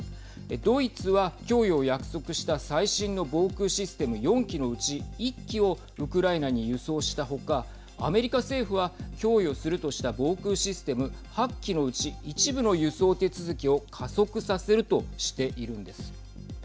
ドイツは供与を約束した最新の防空システム４基のうち１基をウクライナに輸送した他アメリカ政府は供与するとした防空システム８基のうち一部の輸送手続きを加速させるとしているんです。